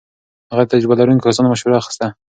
هغه د تجربه لرونکو کسانو مشوره اخيسته.